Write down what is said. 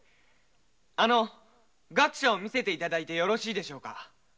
あの学舎を見せて頂いてよろしいでしょうか。